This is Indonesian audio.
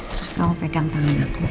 terus kamu pegang tangan itu